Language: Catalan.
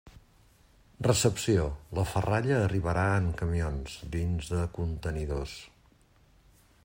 Recepció: la ferralla arribarà en camions, dins de contenidors.